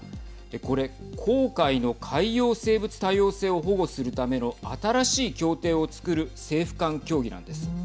これ、公海の海洋生物多様性を保護するための新しい協定を作る政府間協議なんです。